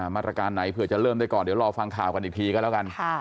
มาตรการไหนเผื่อจะเริ่มได้ก่อนเดี๋ยวรอฟังข่าวกันอีกทีก็แล้วกัน